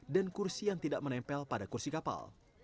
dan kursi yang tidak menempel pada kursi kapal